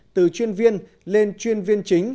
từ chuyên viên lên chuyên viên chính